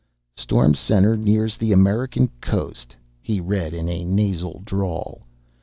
"Storm center nears the American coast," he read in a nasal drawl.